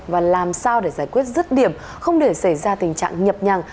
và làm sao để giải quyết rứt điểm không để xảy ra tình trạng nhập nhằng